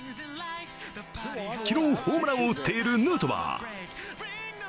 昨日、ホームランを打っているヌートバー。